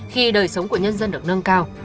khi đời sống của nhân dân được nâng cao